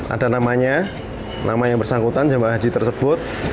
ada namanya nama yang bersangkutan jemaah haji tersebut